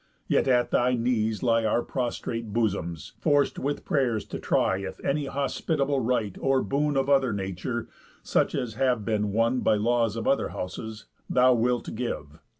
Yet at thy knees lie Our prostrate bosoms, forc'd with pray'rs to try If any hospitable right, or boon Of other nature, such as have been won By laws of other houses, thou wilt give.